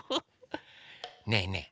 ねえねえ